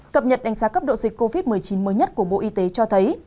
cập nhật đánh giá cấp độ dịch covid một mươi chín mới nhất của bộ y tế cho thấy